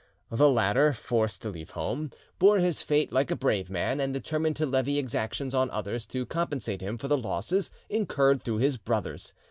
The latter, forced to leave home, bore his fate like a brave man, and determined to levy exactions on others to compensate him for the losses incurred through his brothers.